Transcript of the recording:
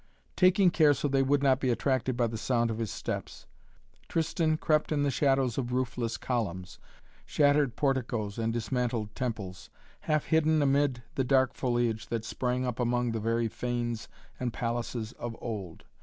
Taking care so they would not be attracted by the sound of his steps, Tristan crept in the shadows of roofless columns, shattered porticoes and dismantled temples, half hidden amid the dark foliage that sprang up among the very fanes and palaces of old.